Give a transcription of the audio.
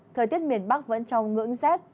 thời tiết miền bắc vẫn trong ngưỡng rét